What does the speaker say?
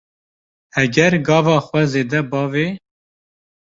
Heger gava xwe zêde bavê